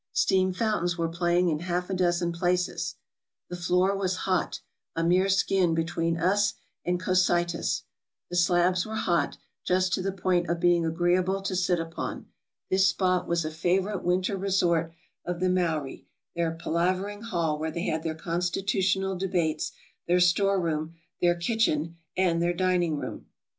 Steam fountains were playing in half a dozen places. The floor was hot — a mere skin between us and Cocytus. The slabs were hot, just to the point of being agreeable to sit upon. This spot was a favorite winter resort of the Maori — their palavering hall where they had their constitutional debates, their store room, their kitchen, and their dining room.